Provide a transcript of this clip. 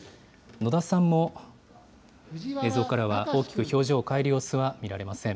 野田さんも、映像からは大きく表情を変える様子は見られません。